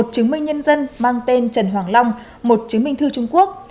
một chứng minh nhân dân mang tên trần hoàng long một chứng minh thư trung quốc